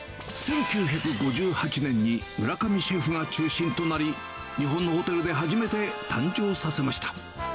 １９５８年に村上シェフが中心となり、日本のホテルで初めて誕生させました。